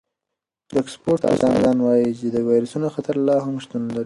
د اکسفورډ استادان وايي چې د وېروسونو خطر لا هم شتون لري.